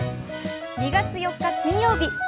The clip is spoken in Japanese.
２月４日金曜日。